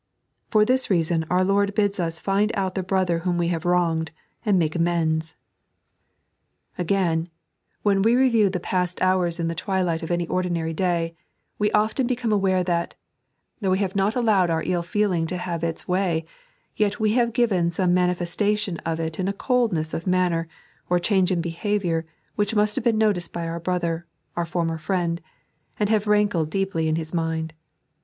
For this reason our Lord bids us find out the brother whom we have wronged, and make amends. 3.n.iized by Google 56 LOTB AGAINST AnGBR. Again, when we reriew the past hours in the twilight of ftDj ordinary day, we often become aw*re that, though we have not allowed our ill feeling to have its way, yet we have given some manifestation of it in a cotdnesa of manner or change in behaviour which must have been noticed by our brother, our former friend, and have lankled deeply in his mind.